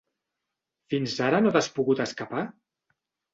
Fins ara no t'has pogut escapar?